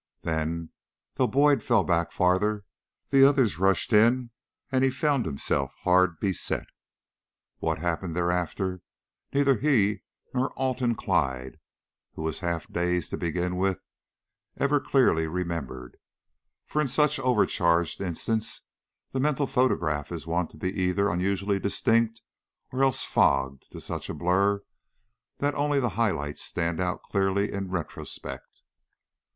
Then, though Boyd fell back farther, the others rushed in and he found himself hard beset. What happened thereafter neither he nor Alton Clyde, who was half dazed to begin with, ever clearly remembered, for in such over charged instants the mental photograph is wont to be either unusually distinct or else fogged to such a blur that only the high lights stand out clearly in retrospect.